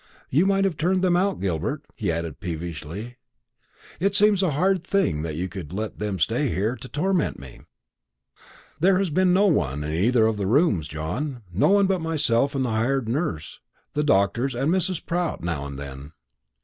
You might have turned them out, Gilbert," he added peevishly; "it seems a hard thing that you could let them stay there to torment me." "There has been no one in either of the rooms, John; no one but myself and the hired nurse, the doctors, and Mrs. Pratt now and then.